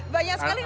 banyak sekali lho